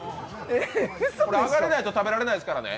これ上がれないと食べれないですからね。